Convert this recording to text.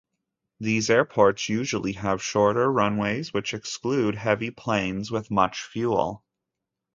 These airports usually have shorter runways, which exclude heavy planes with much fuel.